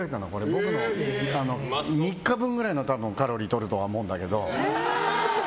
僕の３日分ぐらいのカロリーとるとは思うんだけど。